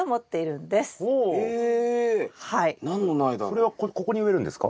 それはここに植えるんですか？